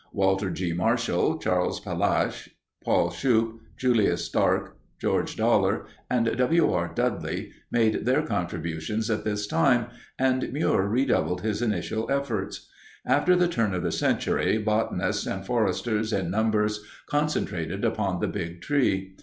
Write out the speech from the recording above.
Walter G. Marshall, Charles Palache, Paul Shoup, Julius Starke, George Dollar, and W. R. Dudley made their contributions at this time, and Muir redoubled his initial efforts. After the turn of the century, botanists and foresters in numbers concentrated upon the Big Tree.